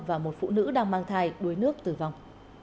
và một phụ nữ đang mang thai đuối nước tử vong